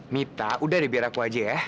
mita udah deh biar aku aja ya